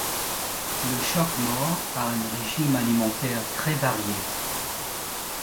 Le choquemort a un régime alimentaire très varié.